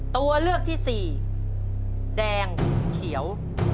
ตัวเลือกที่สี่แดงเขียว